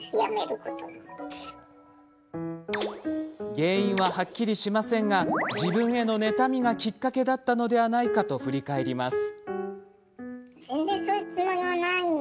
原因は、はっきりしませんが自分への妬みがきっかけだったのではないかと振り返ります。